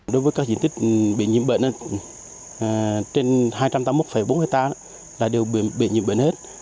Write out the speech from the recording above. diện tích bị nhiễm bệnh trên hai trăm tám mươi một bốn hectare là đều bị nhiễm bệnh hết